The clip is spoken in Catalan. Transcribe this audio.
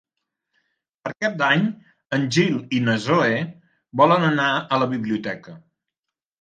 Per Cap d'Any en Gil i na Zoè volen anar a la biblioteca.